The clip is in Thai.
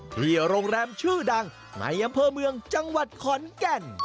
ที่โรงแรมชื่อดังในอำเภอเมืองจังหวัดขอนแก่น